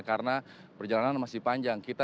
karena perjalanan masih panjang